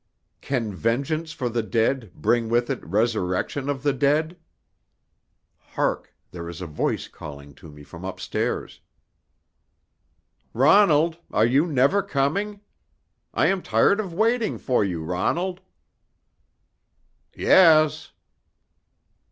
Can vengeance for the dead bring with it resurrection of the dead? Hark! There is a voice calling to me from upstairs. "Ronald, are you never coming? I am tired of waiting for you. Ronald!" "Yes."